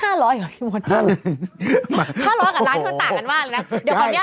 ๕๐๐กับล้านที่มันต่างกันมากเลยนะ